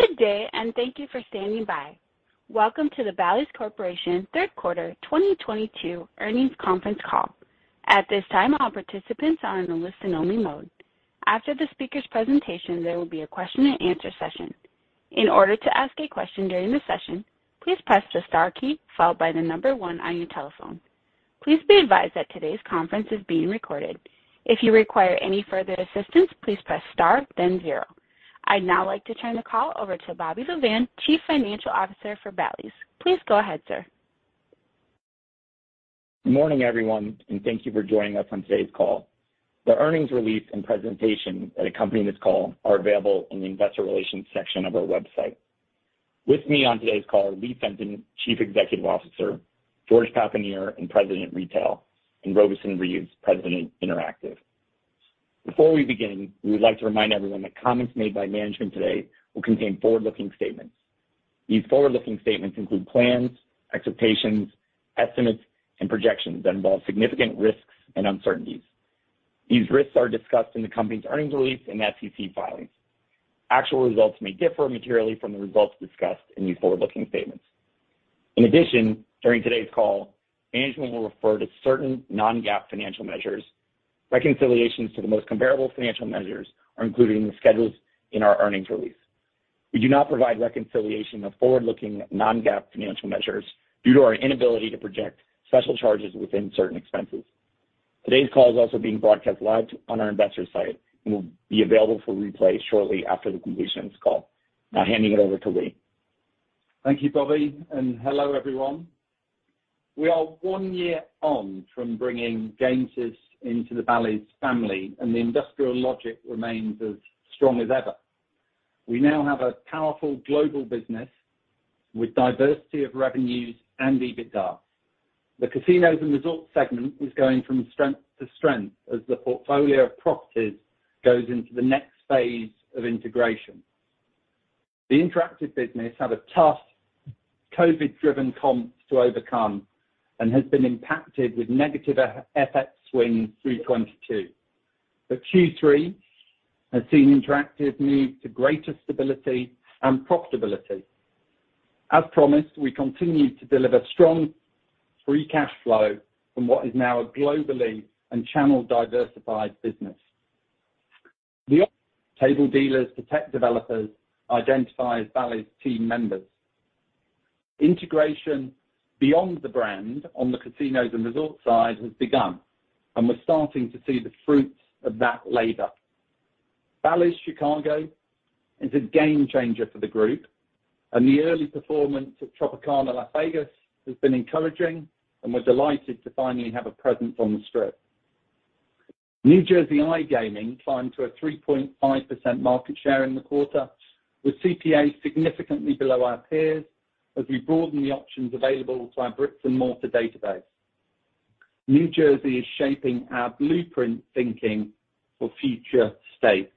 Good day, and thank you for standing by. Welcome to the Bally's Corporation Third Quarter 2022 Earnings Conference Call. At this time, all participants are in a listen-only mode. After the speaker's presentation, there will be a question and answer session. In order to ask a question during the session, please press the star key followed by the number one on your telephone. Please be advised that today's conference is being recorded. If you require any further assistance, please press star, then zero. I'd now like to turn the call over to Bobby Lavan, Chief Financial Officer for Bally's. Please go ahead, sir. Morning, everyone, and thank you for joining us on today's call. The earnings release and presentation that accompany this call are available in the investor relations section of our website. With me on today's call, Lee Fenton, Chief Executive Officer, George Papanier, President, Retail, and Robeson Reeves, President, Interactive. Before we begin, we would like to remind everyone that comments made by management today will contain forward-looking statements. These forward-looking statements include plans, expectations, estimates, and projections that involve significant risks and uncertainties. These risks are discussed in the company's earnings release and SEC filings. Actual results may differ materially from the results discussed in these forward-looking statements. In addition, during today's call, management will refer to certain non-GAAP financial measures. Reconciliations to the most comparable financial measures are included in the schedules in our earnings release. We do not provide reconciliation of forward-looking non-GAAP financial measures due to our inability to project special charges within certain expenses. Today's call is also being broadcast live on our investor site and will be available for replay shortly after the completion of this call. Now handing it over to Lee. Thank you, Bobby, and hello, everyone. We are one year on from bringing Gamesys into the Bally's family and the industrial logic remains as strong as ever. We now have a powerful global business with diversity of revenues and EBITDA. The casinos and resorts segment is going from strength to strength as the portfolio of properties goes into the next phase of integration. The interactive business had a tough COVID-driven comps to overcome and has been impacted with negative FX swing through 2022. Q3 has seen interactive move to greater stability and profitability. As promised, we continue to deliver strong free cash flow from what is now a globally and channel-diversified business. From table dealers to tech developers identify as Bally's team members. Integration beyond the brand on the casinos and resort side has begun, and we're starting to see the fruits of that labor. Bally's Chicago is a game-changer for the group, and the early performance of Tropicana Las Vegas has been encouraging, and we're delighted to finally have a presence on the Strip. New Jersey iGaming climbed to a 3.5% market share in the quarter, with CPA significantly below our peers as we broaden the options available to our brick and mortar database. New Jersey is shaping our blueprint thinking for future states.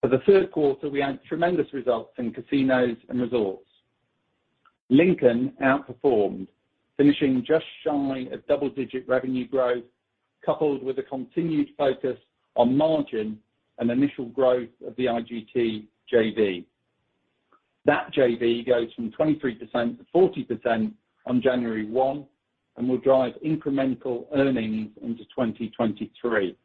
For the third quarter, we had tremendous results in casinos and resorts. Lincoln outperformed, finishing just shy of double-digit revenue growth, coupled with a continued focus on margin and initial growth of the IGT JV. That JV goes from 23% to 40% on January 1 and will drive incremental earnings into 2023.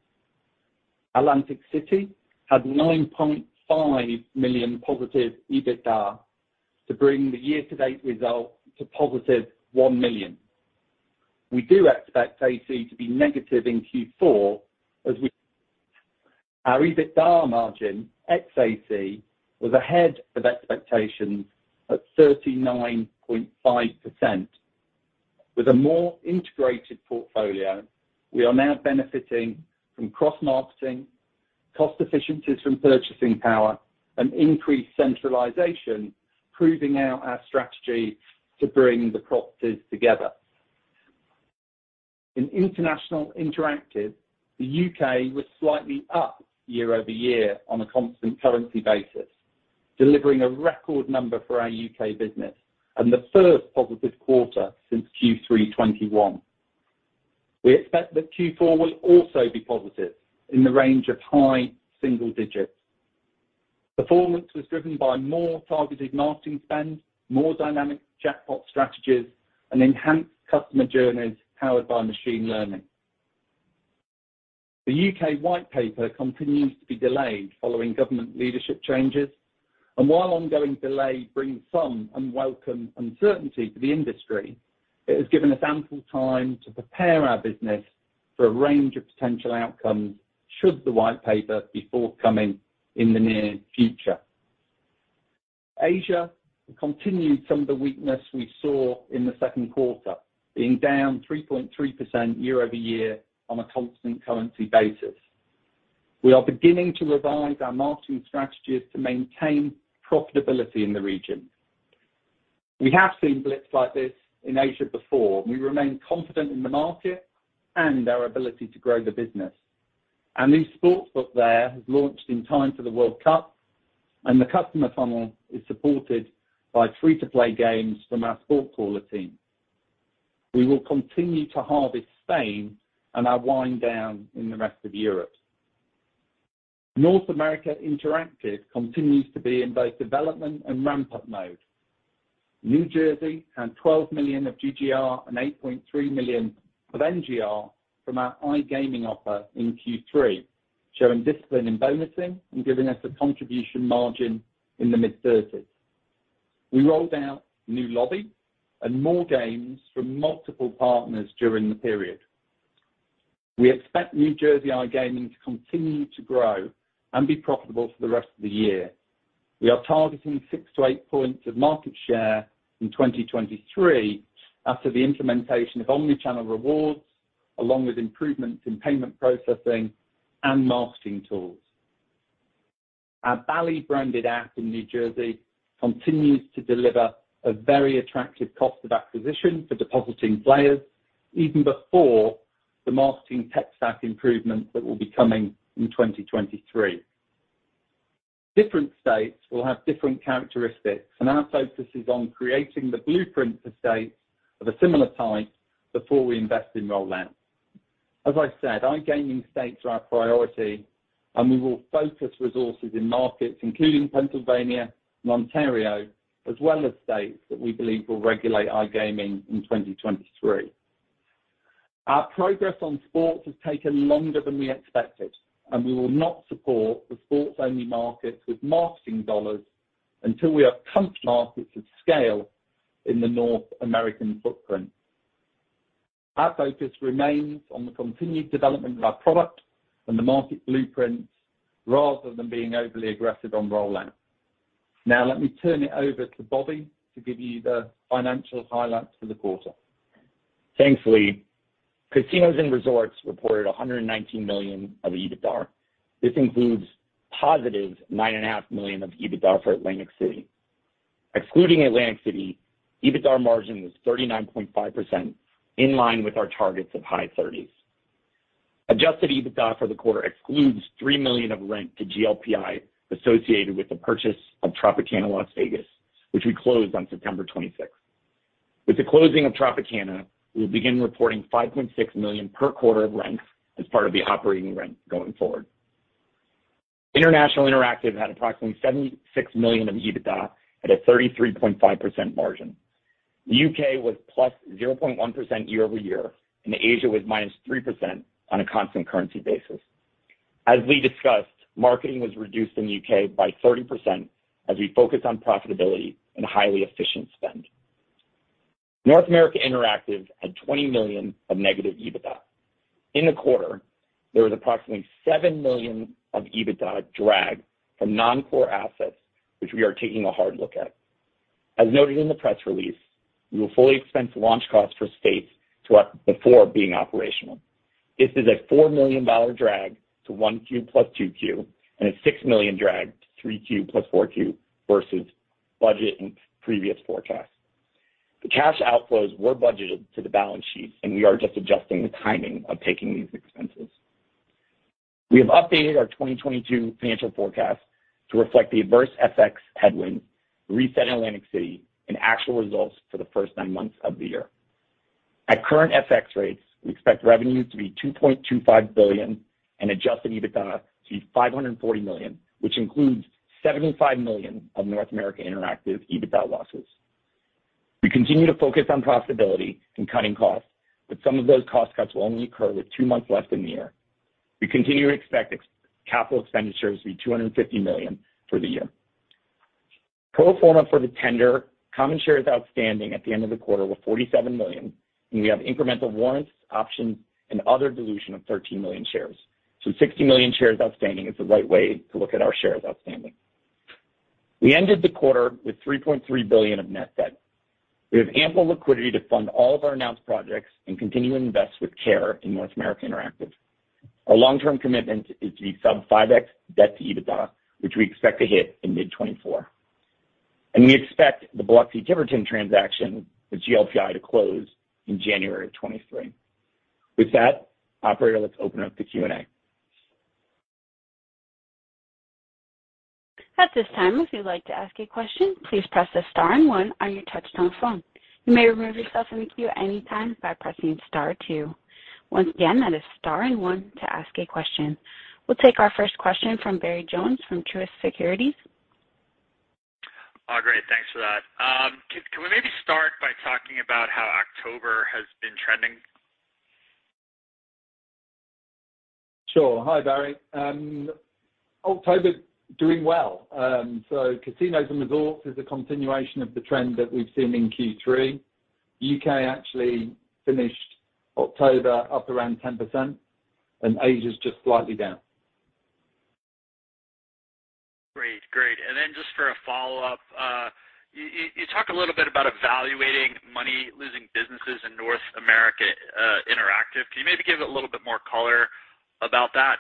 Atlantic City had positive $9.5 million EBITDA to bring the year-to-date result to positive $1 million. We do expect AC to be negative in Q4. Our EBITDA margin, ExAC, was ahead of expectations at 39.5%. With a more integrated portfolio, we are now benefiting from cross marketing, cost efficiencies from purchasing power, and increased centralization, proving now our strategy to bring the properties together. In international interactive, the U.K. was slightly up year-over-year on a constant currency basis, delivering a record number for our U.K. business and the first positive quarter since Q3 2021. We expect that Q4 will also be positive in the range of high single digits. Performance was driven by more targeted marketing spend, more dynamic jackpot strategies, and enhanced customer journeys powered by machine learning. The UK white paper continues to be delayed following government leadership changes. While ongoing delay brings some unwelcome uncertainty to the industry, it has given us ample time to prepare our business for a range of potential outcomes should the white paper be forthcoming in the near future. Asia continued some of the weakness we saw in the second quarter, being down 3.3% year-over-year on a constant currency basis. We are beginning to revise our marketing strategies to maintain profitability in the region. We have seen blips like this in Asia before. We remain confident in the market and our ability to grow the business. A new sportsbook there has launched in time for the World Cup, and the customer funnel is supported by free-to-play games from our SportCaller team. We will continue to harvest in Spain and wind down in the rest of Europe. North America Interactive continues to be in both development and ramp-up mode. New Jersey had $12 million of GGR and $8.3 million of NGR from our iGaming offer in Q3, showing discipline in bonusing and giving us a contribution margin in the mid-30s. We rolled out new lobby and more games from multiple partners during the period. We expect New Jersey iGaming to continue to grow and be profitable for the rest of the year. We are targeting 6-8 points of market share in 2023 after the implementation of omni-channel rewards, along with improvements in payment processing and marketing tools. Our Bally branded app in New Jersey continues to deliver a very attractive cost of acquisition for depositing players even before the marketing tech stack improvements that will be coming in 2023. Different states will have different characteristics, and our focus is on creating the blueprint for states of a similar type before we invest in rollout. As I said, iGaming states are our priority and we will focus resources in markets including Pennsylvania and Ontario, as well as states that we believe will regulate iGaming in 2023. Our progress on sports has taken longer than we expected, and we will not support the sports-only markets with marketing dollars until we have comfortable markets of scale in the North American footprint. Our focus remains on the continued development of our product and the market blueprints rather than being overly aggressive on rollout. Now let me turn it over to Bobby to give you the financial highlights for the quarter. Thanks, Lee. Casinos and resorts reported $119 million of EBITDA. This includes +$9.5 million of EBITDA for Atlantic City. Excluding Atlantic City, EBITDA margin was 39.5%, in line with our targets of high thirties. Adjusted EBITDA for the quarter excludes $3 million of rent to associated with the purchase of Tropicana Las Vegas, which we closed on September 26th. With the closing of Tropicana, we will begin reporting $5.6 million per quarter of rent as part of the operating rent going forward. International Interactive had approximately $76 million of EBITDA at a 33.5% margin. The UK was +0.1% year over year, and Asia was -3% on a constant currency basis. As Lee discussed, marketing was reduced in the UK by 30% as we focus on profitability and highly efficient spend. North America Interactive had $20 million of negative EBITDA. In the quarter, there was approximately $7 million of EBITDA drag from non-core assets, which we are taking a hard look at. As noted in the press release, we will fully expense launch costs for states to open before being operational. This is a $4 million drag to 1Q + 2Q and a $6 million drag to 3Q + 4Q versus budget and previous forecasts. The cash outflows were budgeted to the balance sheet, and we are just adjusting the timing of taking these expenses. We have updated our 2022 financial forecast to reflect the adverse FX headwinds, the reset in Atlantic City and actual results for the first nine months of the year. At current FX rates, we expect revenue to be $2.25 billion and adjusted EBITDA to be $540 million, which includes $75 million of North America Interactive EBITDA losses. We continue to focus on profitability and cutting costs, but some of those cost cuts will only occur with two months left in the year. We continue to expect ex-capital expenditures to be $250 million for the year. Pro forma for the tender, common shares outstanding at the end of the quarter were 47 million, and we have incremental warrants, options, and other dilution of 13 million shares. Sixty million shares outstanding is the right way to look at our shares outstanding. We ended the quarter with $3.3 billion of net debt. We have ample liquidity to fund all of our announced projects and continue to invest with care in North America Interactive. Our long-term commitment is to be sub 5x debt to EBITDA, which we expect to hit in mid-2024. We expect the Biloxi-Tiverton transaction with GLPI to close in January 2023. With that, operator, let's open up the Q&A. At this time, if you'd like to ask a question, please press star and one on your touchtone phone. You may remove yourself from the queue anytime by pressing star two. Once again, that is star and one to ask a question. We'll take our first question from Barry Jonas from Truist Securities. Oh, great. Thanks for that. Can we maybe start by talking about how October has been trending? Sure. Hi, Barry. October is doing well. Casinos and resorts is a continuation of the trend that we've seen in Q3. U.K. actually finished October up around 10% and Asia is just slightly down. Great. Great. Just for a follow-up, you talk a little bit about evaluating money-losing businesses in North America, Interactive. Can you maybe give a little bit more color about that?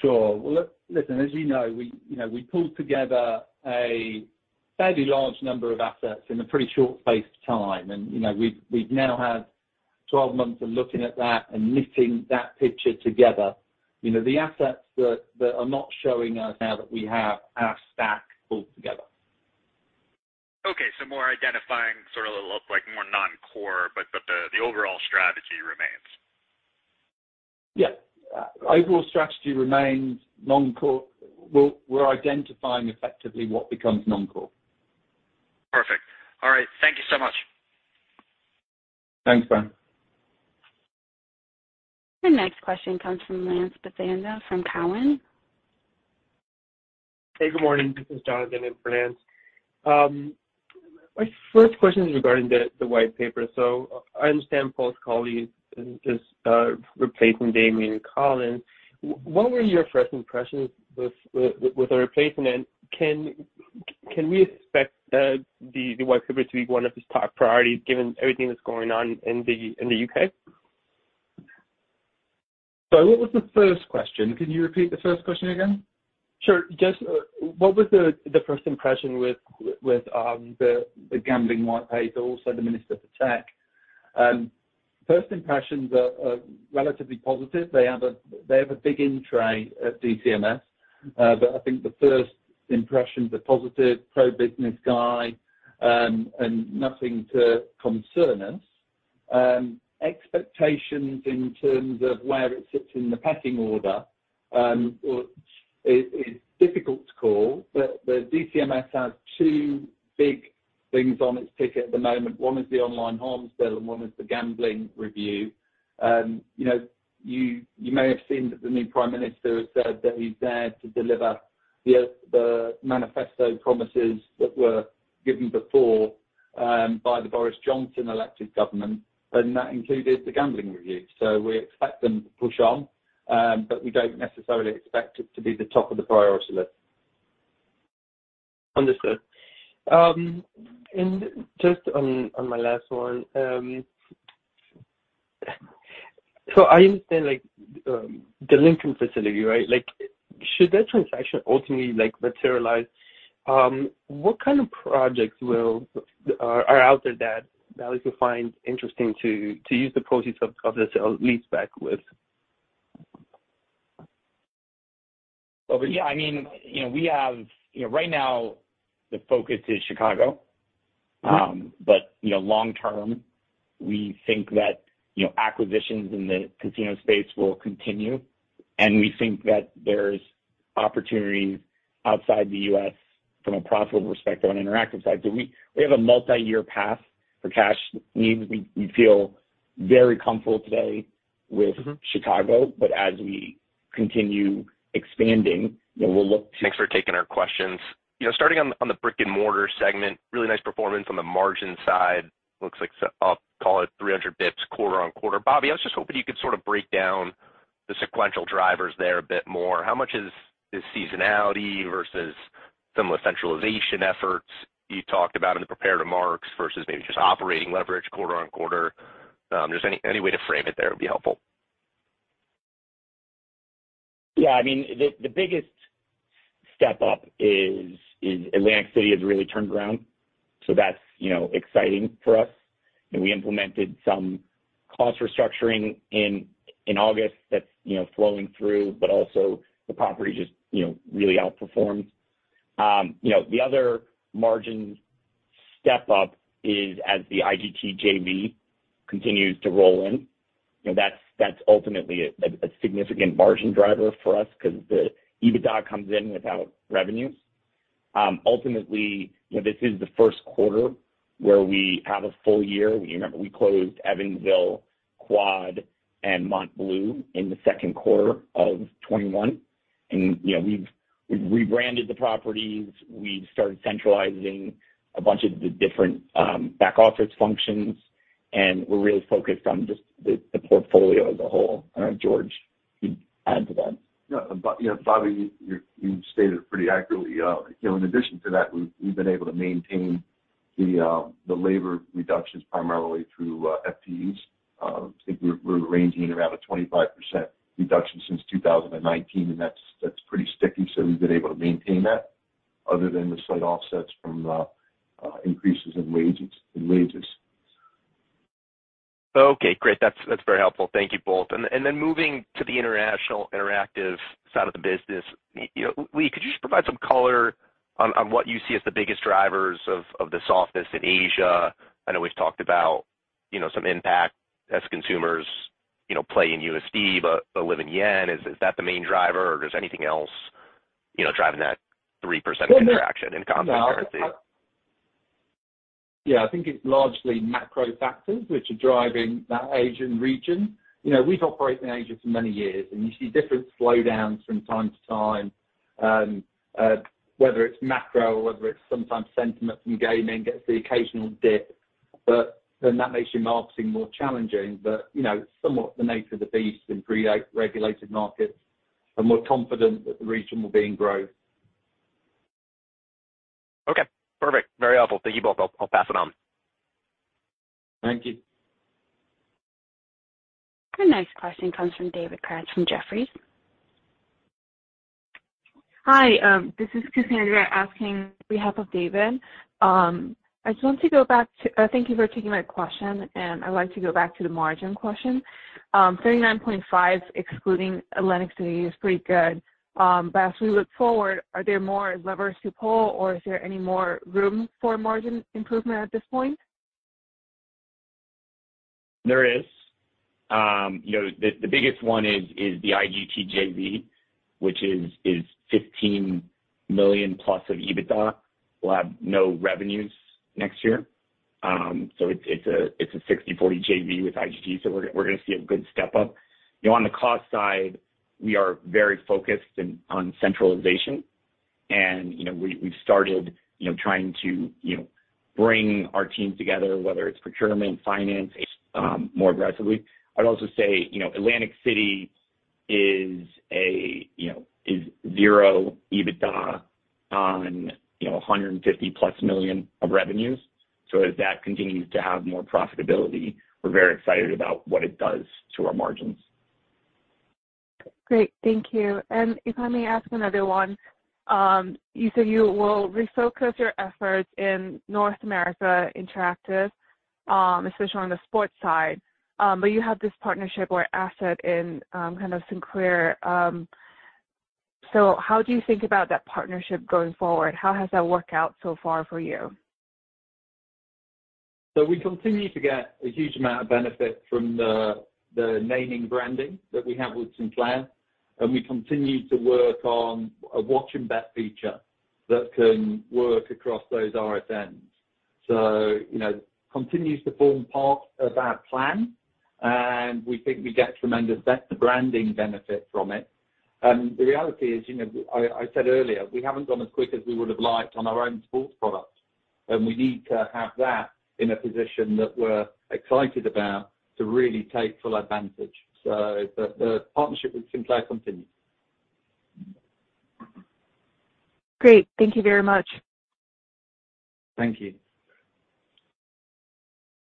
Sure. Well, listen, as you know, we, you know, we pulled together a fairly large number of assets in a pretty short space of time. You know, we've, we now have 12 months looking at that and knitting that picture together. You know, the assets that are not showing us now that we have our stack pulled together. More identifying sort of like more non-core, but the overall strategy remains. Yeah. Overall strategy remains non-core. We're identifying effectively what becomes non-core. Perfect. All right. Thank you so much. Thanks, Ben. The next question comes from Lance Vitanza from TD Cowen. Hey, good morning. This is Jonathan in for Lance. My first question is regarding the white paper. I understand Paul Scully is replacing Damian Collins. What were your first impressions with the replacement, and can we expect the white paper to be one of his top priorities given everything that's going on in the U.K.? Sorry, what was the first question? Can you repeat the first question again? Sure. Just what was the first impression with the gambling white paper, also the Minister for Tech? First impressions are relatively positive. They have a big in-tray at DCMS. I think the first impressions are positive, pro-business guy, and nothing to concern us. Expectations in terms of where it sits in the pecking order is difficult to call, but the DCMS has two big things on its ticket at the moment. One is the Online Safety Act and one is the Gambling Act review. You know, you may have seen that the new Prime Minister has said that he's there to deliver the manifesto promises that were given before, by the Boris Johnson elected government, and that included the Gambling Act review. We expect them to push on, but we don't necessarily expect it to be the top of the priority list. Understood. Just on my last one, I understand, like, the Lincoln facility, right? Like should that transaction ultimately, like, materialize, what kind of projects are out there that we could find interesting to use the proceeds of the sale-leaseback with? Well, yeah, I mean, you know, we have, you know, right now the focus is Chicago. Mm-hmm. you know, long term, we think that, you know, acquisitions in the casino space will continue. We think that there's opportunities outside the U.S. from a profitability perspective on interactive side. We have a multiyear path for cash needs. We feel very comfortable today with- Mm-hmm. Chicago, but as we continue expanding, then we'll look to. Thanks for taking our questions. You know, starting on the brick-and-mortar segment, really nice performance on the margin side. Looks like I'll call it 300 basis points quarter-on-quarter. Bobby, I was just hoping you could sort of break down the sequential drivers there a bit more. How much is seasonality versus some of the centralization efforts you talked about in the prepared remarks versus maybe just operating leverage quarter-on-quarter? Just any way to frame it there would be helpful. Yeah. I mean, the biggest step up is Atlantic City has really turned around, so that's, you know, exciting for us. We implemented some cost restructuring in August that's, you know, flowing through, but also the property just, you know, really outperformed. You know, the other margin step up is as the IGT JV continues to roll in, you know, that's ultimately a significant margin driver for us 'cause the EBITDA comes in without revenues. Ultimately, you know, this is the first quarter where we have a full year. You remember we closed Evansville, Quad, and MontBleu in the second quarter of 2021. You know, we've rebranded the properties. We've started centralizing a bunch of the different back office functions, and we're really focused on just the portfolio as a whole. I don't know, George, if you'd add to that. Yeah. You know, Bobby, you stated it pretty accurately. You know, in addition to that, we've been able to maintain the labor reductions primarily through FTEs. I think we're ranging around a 25% reduction since 2019, and that's pretty sticky, so we've been able to maintain that other than the slight offsets from increases in wages. Okay, great. That's very helpful. Thank you both. Then moving to the international interactive side of the business, you know, Lee, could you just provide some color on what you see as the biggest drivers of the softness in Asia? I know we've talked about, you know, some impact as consumers, you know, play in USD but live in yen. Is that the main driver or there's anything else, you know, driving that 3% contraction in constant currency? Yeah, I think it's largely macro factors which are driving that Asian region. You know, we've operated in Asia for many years and you see different slowdowns from time to time, whether it's macro or whether it's sometimes sentiment from gaming gets the occasional dip. That makes your marketing more challenging. You know, somewhat the nature of the beast in pre-re-regulated markets, but more confident that the region will be in growth. Okay, perfect. Very helpful. Thank you both. I'll pass it on. Thank you. Our next question comes from David Katz from Jefferies. Hi, this is Cassandra asking on behalf of David. Thank you for taking my question, and I'd like to go back to the margin question. 39.5% excluding Atlantic City is pretty good. As we look forward, are there more levers to pull or is there any more room for margin improvement at this point? There is. You know, the biggest one is the IGT JV, which is $15 million+ of EBITDA. We'll have no revenues next year. So it's a 60/40 JV with IGT, so we're gonna see a good step up. You know, on the cost side, we are very focused on centralization and, you know, we've started trying to bring our teams together, whether it's procurement, finance, more aggressively. I'd also say, you know, Atlantic City is zero EBITDA on a $150 million+ of revenues. So as that continues to have more profitability, we're very excited about what it does to our margins. Great. Thank you. If I may ask another one. You said you will refocus your efforts in North America Interactive, especially on the sports side. You have this partnership or asset in kind of Sinclair. How do you think about that partnership going forward? How has that worked out so far for you? We continue to get a huge amount of benefit from the name and branding that we have with Sinclair, and we continue to work on a watch and bet feature that can work across those RSNs. You know, it continues to form part of our plan, and we think we get tremendous re-branding benefit from it. The reality is, you know, I said earlier, we haven't gone as quick as we would have liked on our own sports product, and we need to have that in a position that we're excited about to really take full advantage. The partnership with Sinclair continues. Great. Thank you very much. Thank you.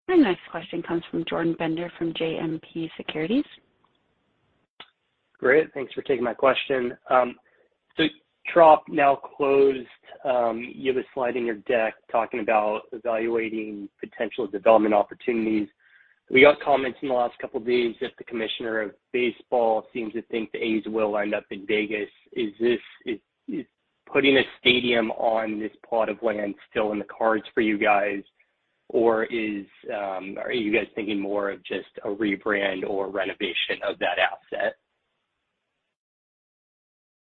Our next question comes from Jordan Bender from JMP Securities. Great. Thanks for taking my question. Trop now closed. You have a slide in your deck talking about evaluating potential development opportunities. We got comments in the last couple of days that the commissioner of baseball seems to think the A's will end up in Vegas. Is this putting a stadium on this plot of land still in the cards for you guys, or are you guys thinking more of just a rebrand or renovation of that asset?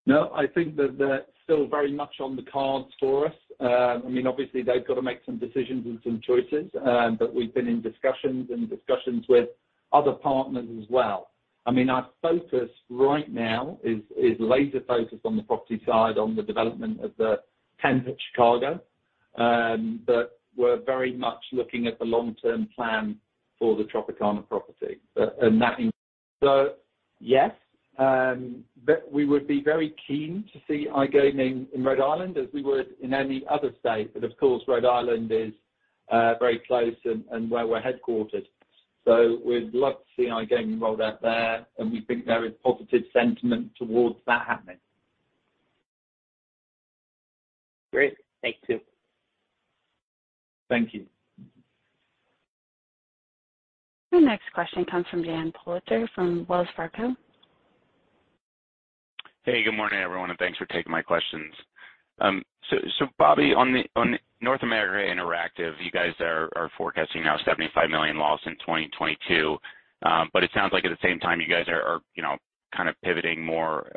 No, I think that that's still very much on the cards for us. I mean, obviously, they've got to make some decisions and some choices, but we've been in discussions with other partners as well. I mean, our focus right now is laser focused on the property side, on the development of the Bally's Chicago, but we're very much looking at the long-term plan for the Tropicana property. Yes, but we would be very keen to see iGaming in Rhode Island as we would in any other state. Of course, Rhode Island is very close and where we're headquartered. We'd love to see iGaming rolled out there, and we think there is positive sentiment towards that happening. Great. Thank you. Thank you. Our next question comes from Dan Politzer from Wells Fargo. Hey, good morning, everyone, and thanks for taking my questions. So Bobby, on North America Interactive, you guys are forecasting now $75 million loss in 2022. But it sounds like at the same time, you guys are, you know, kind of pivoting more,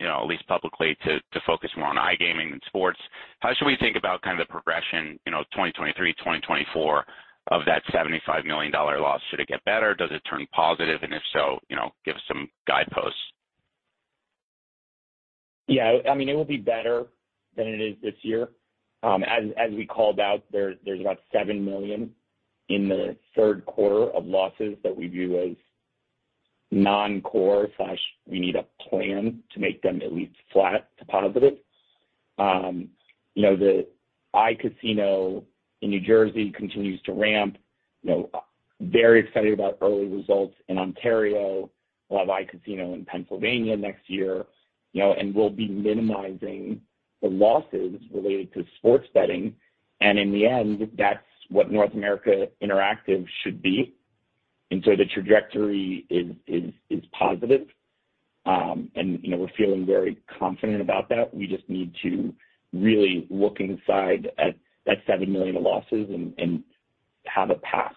you know, at least publicly to focus more on iGaming than sports. How should we think about kind of the progression, you know, 2023, 2024 of that $75 million loss? Should it get better? Does it turn positive? And if so, you know, give us some guideposts. Yeah. I mean, it will be better than it is this year. As we called out, there's about $7 million in the third quarter of losses that we view as non-core slash we need a plan to make them at least flat to positive. You know, the iCasino in New Jersey continues to ramp, you know, very excited about early results in Ontario. We'll have iCasino in Pennsylvania next year, you know, and we'll be minimizing the losses related to sports betting. In the end, that's what North America Interactive should be. The trajectory is positive. You know, we're feeling very confident about that. We just need to really look inside at that $7 million of losses and have a path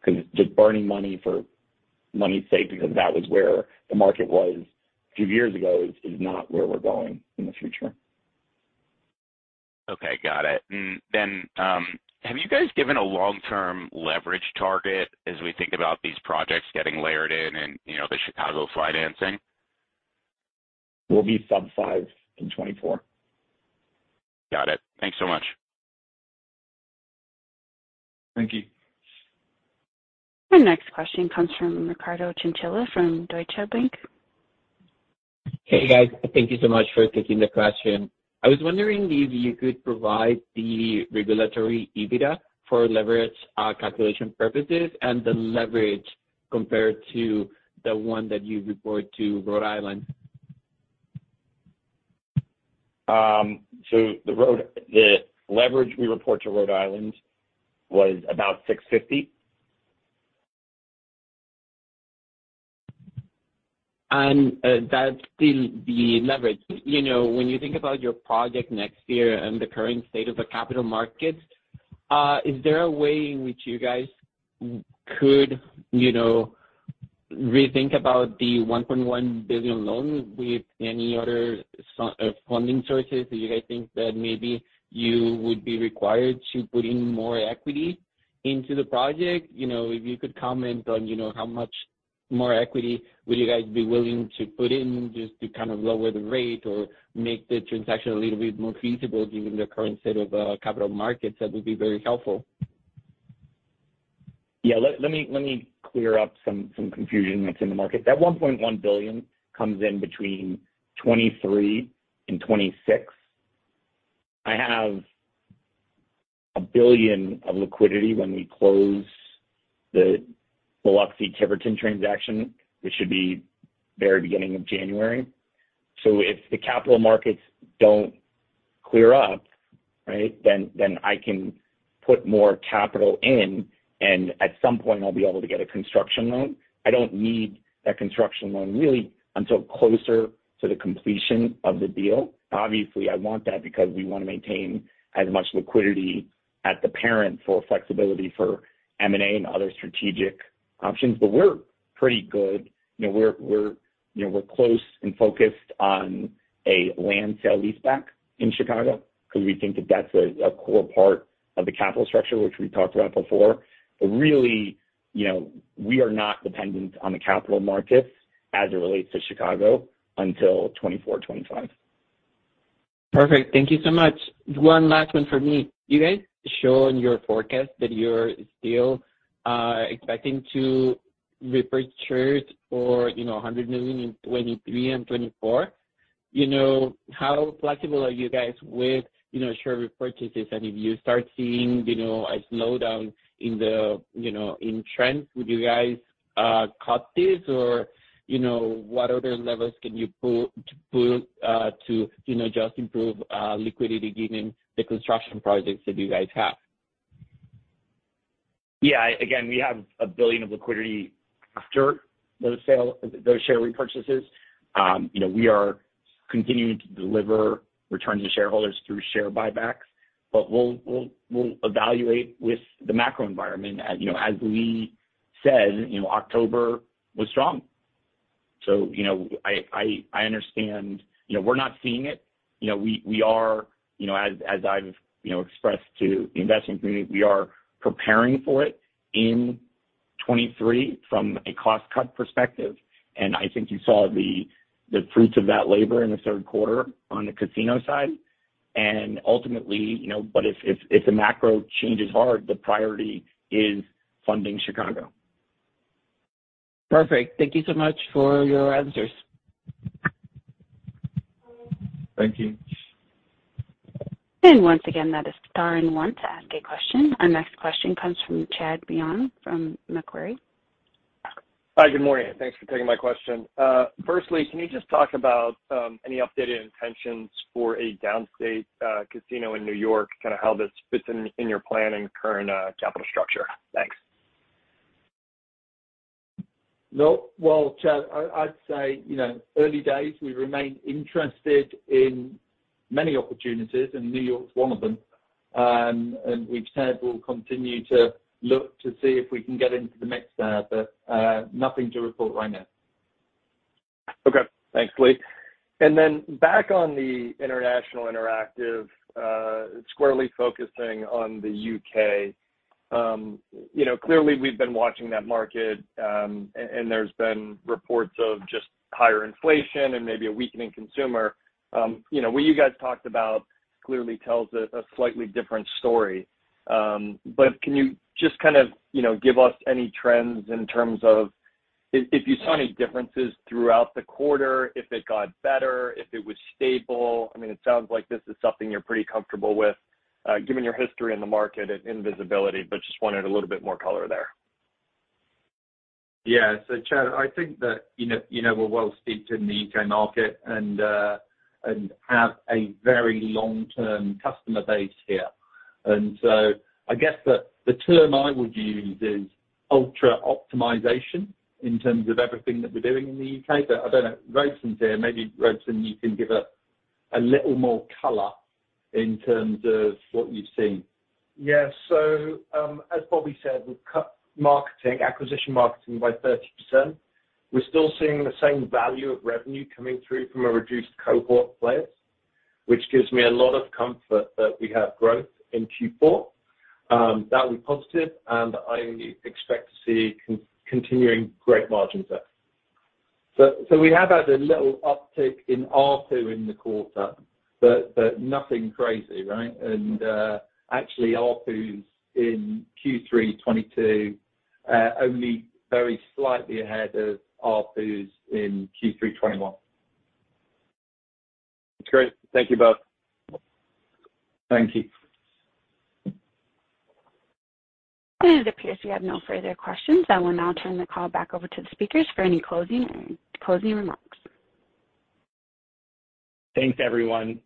because just burning money for money's sake, because that was where the market was a few years ago, is not where we're going in the future. Okay, got it. Have you guys given a long-term leverage target as we think about these projects getting layered in and, you know, the Chicago financing? We'll be sub 5 in 2024. Got it. Thanks so much. Thank you. Our next question comes from Ricardo Chinchilla from Deutsche Bank. Hey, guys. Thank you so much for taking the question. I was wondering if you could provide the regulatory EBITDA for leverage calculation purposes and the leverage compared to the one that you report to Rhode Island. The leverage we report to Rhode Island was about 6.5. That's still the leverage. You know, when you think about your project next year and the current state of the capital markets, is there a way in which you guys could, you know, rethink about the $1.1 billion loan with any other funding sources? Do you guys think that maybe you would be required to put in more equity into the project? You know, if you could comment on, you know, how much more equity will you guys be willing to put in just to kind of lower the rate or make the transaction a little bit more feasible given the current state of capital markets, that would be very helpful. Yeah. Let me clear up some confusion that's in the market. That $1.1 billion comes in between 2023 and 2026. I have $1 billion of liquidity when we close the Biloxi-Tiverton transaction, which should be the very beginning of January. If the capital markets don't clear up, then I can put more capital in, and at some point I'll be able to get a construction loan. I don't need that construction loan really until closer to the completion of the deal. Obviously, I want that because we wanna maintain as much liquidity at the parent for flexibility for M&A and other strategic options. We're pretty good. You know, we're close and focused on a land sale leaseback in Chicago because we think that that's a core part of the capital structure, which we talked about before. Really, you know, we are not dependent on the capital markets as it relates to Chicago until 2024-2025. Perfect. Thank you so much. One last one for me. You guys show in your forecast that you're still expecting to repurchase for $100 million in 2023 and 2024. You know, how flexible are you guys with share repurchases? If you start seeing a slowdown in trend, would you guys cut this or what other levers can you pull to just improve liquidity given the construction projects that you guys have? Yeah. Again, we have $1 billion of liquidity after those share repurchases. You know, we are continuing to deliver returns to shareholders through share buybacks, but we'll evaluate the macro environment. As you know, as Lee said, you know, October was strong. You know, I understand. You know, we're not seeing it. You know, we are, you know, as I've, you know, expressed to the investment community, we are preparing for it in 2023 from a cost-cutting perspective. I think you saw the fruits of that labor in the third quarter on the casino side. Ultimately, you know, but if the macro changes hard, the priority is funding Chicago. Perfect. Thank you so much for your answers. Thank you. Once again, that is star one to ask a question. Our next question comes from Chad Beynon from Macquarie. Hi. Good morning, and thanks for taking my question. Firstly, can you just talk about any updated intentions for a downstate casino in New York, kind of how this fits in your plan and current capital structure? Thanks. No. Well, Chad, I'd say, you know, early days we remain interested in many opportunities, and New York's one of them. We've said we'll continue to look to see if we can get into the mix there, but nothing to report right now. Okay. Thanks, Lee. Then back on the international interactive, squarely focusing on the U.K. You know, clearly we've been watching that market, and there's been reports of just higher inflation and maybe a weakening consumer. You know, what you guys talked about clearly tells a slightly different story. But can you just kind of, you know, give us any trends in terms of if you saw any differences throughout the quarter, if it got better, if it was stable? I mean, it sounds like this is something you're pretty comfortable with, given your history in the market and visibility, but just wanted a little bit more color there. Yeah. Chad, I think that, you know, we're well steeped in the U.K. market and have a very long-term customer base here. I guess the term I would use is ultra-optimization in terms of everything that we're doing in the UK. I don't know. Robeson's here. Maybe, Robeson, you can give a little more color in terms of what you've seen. Yeah. As Bobby said, we've cut marketing, acquisition marketing by 30%. We're still seeing the same value of revenue coming through from a reduced cohort players, which gives me a lot of comfort that we have growth in Q4. That was positive, and I expect to see continuing great margins there. We have had a little uptick in ARPU in the quarter, but nothing crazy, right? Actually, ARPU's in Q3 2022 only very slightly ahead of ARPU's in Q3 2021. Great. Thank you both. Thank you. It appears we have no further questions. I will now turn the call back over to the speakers for any closing remarks. Thanks, everyone.